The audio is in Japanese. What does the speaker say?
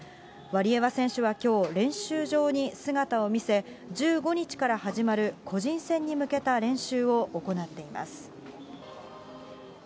ワリエワ選手はきょう、練習場に姿を見せ、１５日から始まる個人戦に向けた練習を行っています。